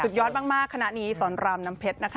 ยอดมากคณะนี้สอนรามน้ำเพชรนะคะ